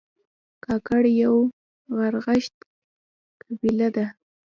کاکړ یو غرغښت قبیله ده